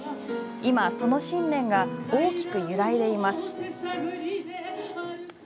今、その信念が大きく揺らいでいます。